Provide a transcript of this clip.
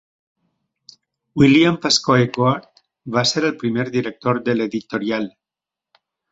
William Pascoe Goard va ser el primer director de l'editorial